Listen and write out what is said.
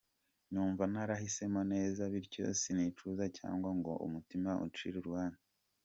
Numva narahisemo neza bityo sinicuza cyangwa ngo umutima uncire urubanza.